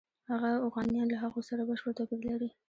هغه اوغانیان له هغو سره بشپړ توپیر لري.